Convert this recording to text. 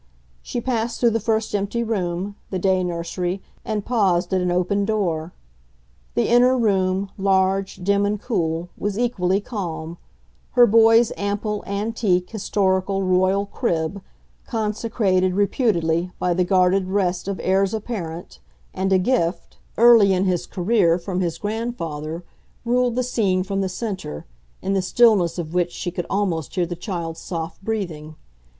She passed through the first empty room, the day nursery, and paused at an open door. The inner room, large, dim and cool, was equally calm; her boy's ample, antique, historical, royal crib, consecrated, reputedly, by the guarded rest of heirs apparent, and a gift, early in his career, from his grandfather, ruled the scene from the centre, in the stillness of which she could almost hear the child's soft breathing.